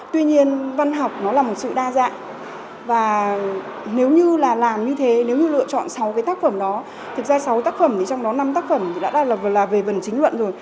tuy nhiên văn học nó là một sự đa dạng và nếu như là làm như thế nếu như lựa chọn sáu cái tác phẩm đó thực ra sáu tác phẩm thì trong đó năm tác phẩm đã lập là về phần chính luận rồi